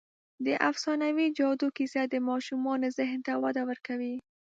د افسانوي جادو کیسه د ماشومانو ذهن ته وده ورکوي.